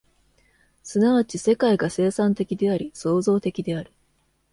即ち世界が生産的であり、創造的である。